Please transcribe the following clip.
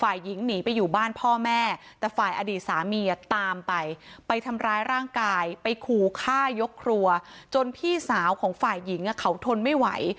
ฝ่ายหญิงหนีไปอยู่บ้านพ่อแม่แต่ฝ่ายอดีตสามีตามไปไปทำร้ายร่างกายไปขู่ฆ่ายกครัวจนพี่สาวของฝ่ายหญิงเขาทนไม่ไหว